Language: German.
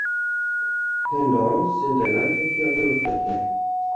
Pendants sind der Landverkehr und der Luftverkehr.